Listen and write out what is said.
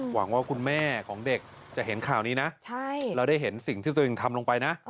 หวังว่าคุณแม่ของเด็กจะเห็นข่าวนี้นะแล้วได้เห็นสิ่งที่ตัวเองทำลงไปนะ